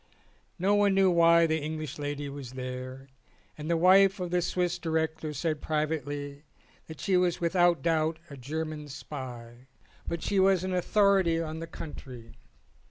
No one knew why the English lady was there and the wife of the Swiss director said privately that she was without doubt a German spy. But she 29 ON A CHINESE SCEEEN ■was an authority on the country.